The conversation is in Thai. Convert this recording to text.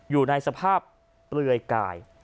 อยู่ในสภาพเปลือยกาย